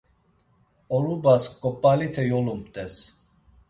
Orubas ǩop̌alite yolumt̆es.